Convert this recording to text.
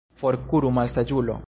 Forkuru, malsaĝulo!